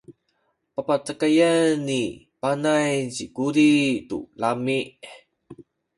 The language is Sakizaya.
papacakayen ni Panay ci Kuli tu lami’.